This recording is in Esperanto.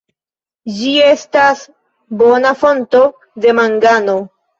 Ĝi estas bona fonto de mangano.